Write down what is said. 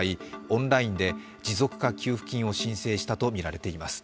オンラインで持続化給付金を申請したとみられています。